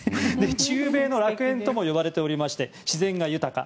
中米の楽園とも呼ばれていまして自然が豊か。